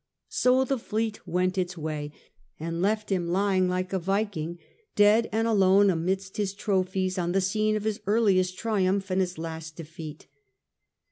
So the fleet went its way, and left him lying like a Viking dead and alone amidst his trophies on the scene of his earliest triumph and his last defeat.